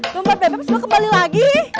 bapak bebep sudah kembali lagi